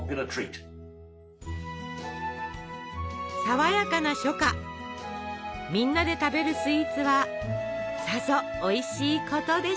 爽やかな初夏みんなで食べるスイーツはさぞおいしいことでしょう。